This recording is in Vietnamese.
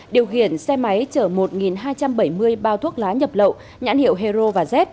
điều khiển xe máy chở một hai trăm bảy mươi bao thuốc lá nhập lậu nhãn hiệu hero và z